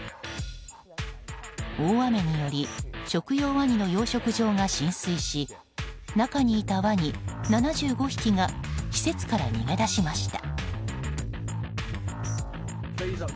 大雨により食用ワニの養殖場が浸水し中にいたワニ７５匹が施設から逃げ出しました。